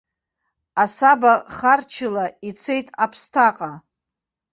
Асаба харчыла, ицеит аԥсҭаҟа.